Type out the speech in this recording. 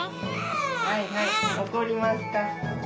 はいはい怒りますか。